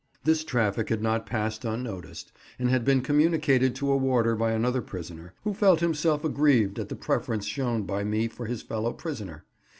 This traffic had not passed unnoticed, and had been communicated to a warder by another prisoner, who felt himself aggrieved at the preference shown by me for his fellow prisoner.